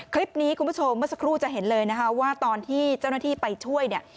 คลิปนี้คุณผู้ชมเมื่อสักครู่จะเห็นเลยนะคะว่าตอนที่เจ้าหน้าที่ไปช่วยเนี่ย